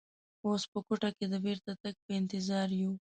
اوس په کوټه کې د بېرته تګ په انتظار یو.